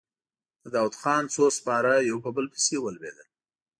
د داوودخان څو سپاره يو په بل پسې ولوېدل.